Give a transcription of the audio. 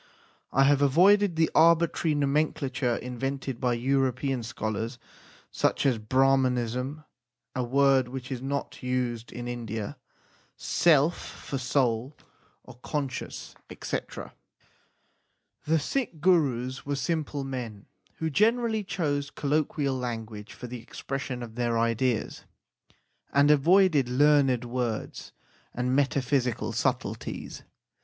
I have avoided the arbitrary nomenclature invented by European scholars, such as Brahmanism, a word which is not used in India ; self for soul or con science, &c. The Sikh Gurus were simple men who generally chose colloquial language for the expression of their ideas, and avoided learned words and meta physical subtleties.